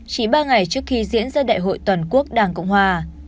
chỉ ba ngày trước khi diễn ra đại hội toàn quốc đảng cộng hòa